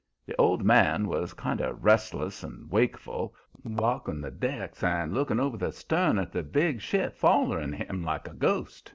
The old man was kind o' res'less and wakeful, walkin' the decks and lookin' over the stern at the big ship follerin' him like a ghost.